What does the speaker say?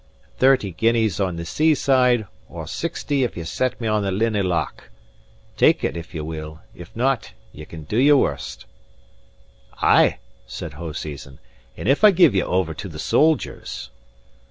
Thirty guineas on the sea side, or sixty if ye set me on the Linnhe Loch. Take it, if ye will; if not, ye can do your worst." "Ay," said Hoseason. "And if I give ye over to the soldiers?"